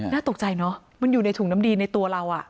น่าตกใจเนอะมันอยู่ในถุงน้ำดีในตัวเรา